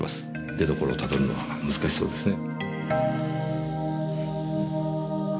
出所をたどるのは難しそうですね。